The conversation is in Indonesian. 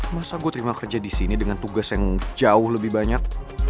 masa gue terima kerja di sini dengan tugas yang jauh lebih banyak